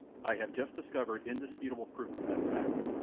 I have just discovered indisputable proofs of that fact.